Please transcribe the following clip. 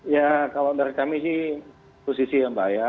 ya kalau dari kami sih posisi yang bahaya